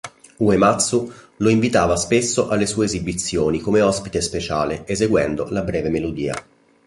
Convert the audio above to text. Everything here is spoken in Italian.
Uematsu lo invitava spesso alle sue esibizioni come ospite speciale, eseguendo la breve melodia.